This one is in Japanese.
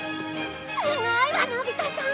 すごいわのび太さん！